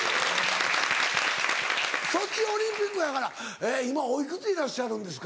ソチオリンピックやから今お幾つでいらっしゃるんですか？